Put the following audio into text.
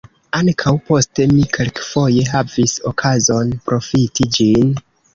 Ankaŭ poste mi kelkfoje havis okazon profiti ĝin.